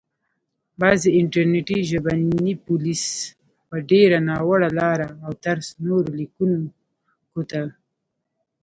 بعضي انټرنټي ژبني پوليس په ډېره ناوړه لاره او طرز نورو ليکونکو ته